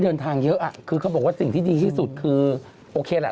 เดินทางเยอะอ่ะคือเขาบอกว่าสิ่งที่ดีที่สุดคือโอเคแหละ